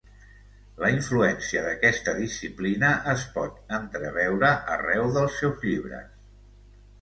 La influència d'aquesta disciplina es pot entreveure arreu dels seus llibres.